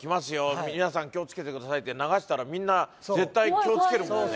みなさん気をつけてくださいって流したらみんな絶対気をつけるもんね